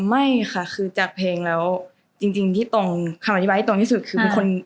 อ่าไม่ค่ะคือจากเพลงแล้วจริงพี่งั้ลไทยเบียบรรยายตรงที่สุดคือเป็นคน